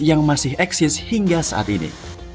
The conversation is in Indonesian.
yang masih eksis hingga saat ini